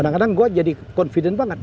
kadang kadang gue jadi confident banget